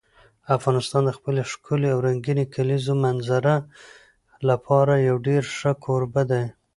افغانستان د خپلې ښکلې او رنګینې کلیزو منظره لپاره یو ډېر ښه کوربه دی.